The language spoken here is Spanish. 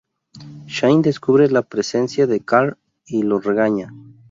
Shane descubre la presencia de Carl y lo regaña.